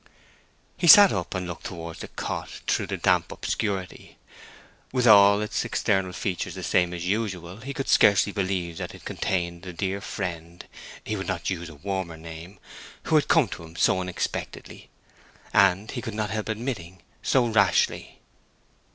He sat up, and looked towards the cot through the damp obscurity. With all its external features the same as usual, he could scarcely believe that it contained the dear friend—he would not use a warmer name—who had come to him so unexpectedly, and, he could not help admitting, so rashly.